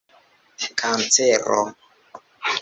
kancero